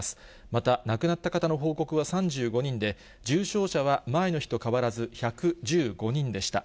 また亡くなった方の報告は３５人で、重症者は前の日と変わらず、１１５人でした。